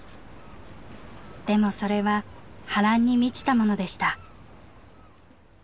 でもそれは波乱に満ちたものでした。